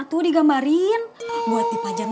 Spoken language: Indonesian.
tuh digambarin buat dipajang